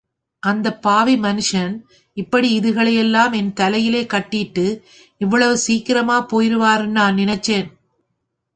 அந்தப் பாவி மனுஷன், இப்படி இதுகளை யெல்லாம் என் தலையிலே கட்டீட்டு இவ்வளவு சீக்கிரமாப் போயிடுவாருன்னா நெனச்சேன்?